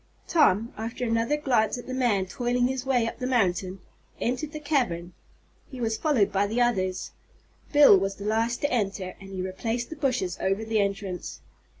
Tom, after another glance at the man toiling his way up the mountain, entered the cavern. He was followed by the others. Bill was the last to enter, and he replaced the bushes over the entrance.